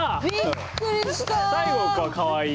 最後はかわいい。